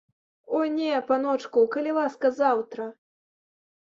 О не, паночку, калі ласка, заўтра!